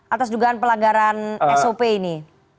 atas dugaan pelanggaran sop ini